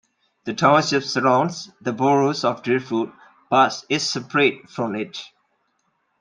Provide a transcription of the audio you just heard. The township surrounds the borough of Driftwood but is separate from it.